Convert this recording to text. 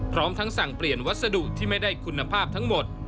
พร้อมทั้งสั่งเปลี่ยนวัสดุที่ไม่ได้คุณภาพทั้งหมด